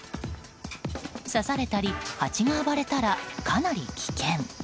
刺されたり、ハチが暴れたらかなり危険。